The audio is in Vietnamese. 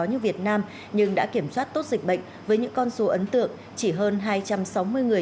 như việt nam nhưng đã kiểm soát tốt dịch bệnh với những con số ấn tượng chỉ hơn hai trăm sáu mươi người